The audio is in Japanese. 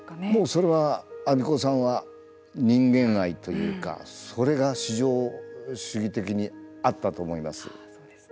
それは、安孫子さんは人間愛というかそれが至上主義的にあったと思います。